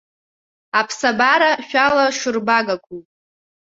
Аԥсабара шәалашырбагақәоуп.